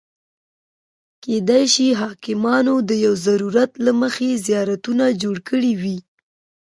کېدای شي حاکمانو د یو ضرورت له مخې زیارتونه جوړ کړي وي.